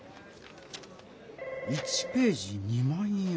１ページ２万円。